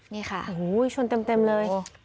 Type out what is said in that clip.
นี่ค่ะโอ้โหชนเต็มเลย